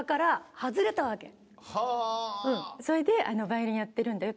それで「ヴァイオリンやってるんだよ」って。